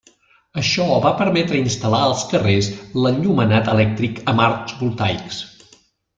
Això va permetre instal·lar als carrers l'enllumenat elèctric amb arcs voltaics.